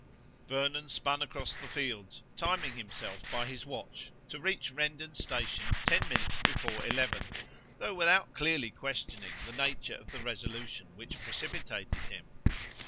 Vernon spun across the fields, timing himself by his watch to reach Rendon station ten minutes before eleven, though without clearly questioning the nature of the resolution which precipitated him.